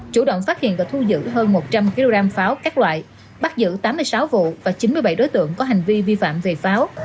chủ động phát hiện và thu giữ hơn một trăm linh kg pháo các loại bắt giữ tám mươi sáu vụ và chín mươi bảy đối tượng có hành vi vi phạm về pháo